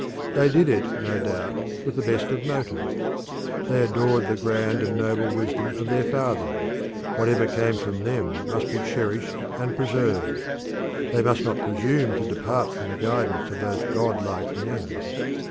They did it no doubt with the best of motives. They adored the grand and noble wisdom of their fathers; whatever came from them must be cherished and preserved. They must not presume to depart from the guidance of those god like men.